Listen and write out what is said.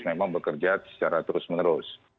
diterapkan untuk bekerja secara terus menerus